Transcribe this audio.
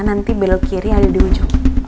nanti belok kiri ada di ujung